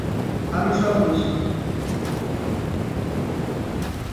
আমি সব বুঝি।